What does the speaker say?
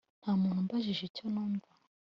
ntamuntu umbajije icyo numva